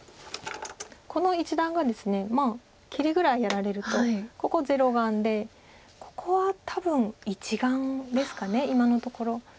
この一団がですね切りぐらいやられるとここ０眼でここは多分１眼ですか今のところ。